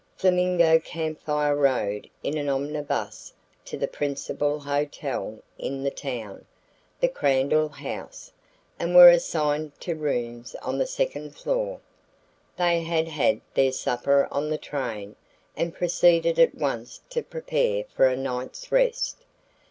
Flamingo Camp Fire rode in an omnibus to the principal hotel in the town, the Crandell house, and were assigned to rooms on the second floor. They had had their supper on the train and proceeded at once to prepare for a night's rest.